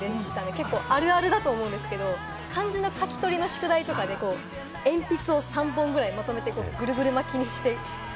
結構あるあるだと思うんですけれども、漢字の書き取りの宿題とかで、鉛筆を３本くらいまとめてぐるぐる巻きにして。